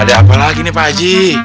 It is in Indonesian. ada apa lagi nih pakji